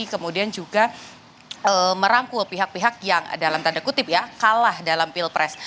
kemudian juga merangkul pihak pihak yang dalam tanda kutip ya kalah dalam pilpres